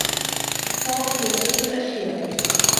توم يسرق الاشياء.